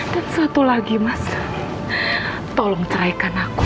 dan satu lagi mas tolong ceraikan aku